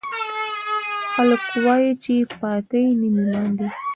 خلکوایي چې پاکۍ نیم ایمان ده